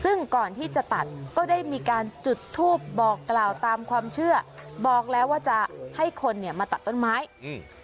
ซึ่งก่อนที่จะตัดก็ได้มีการจุดทูปบอกกล่าวตามความเชื่อบอกแล้วว่าจะให้คนเนี่ยมาตัดต้นไม้อืม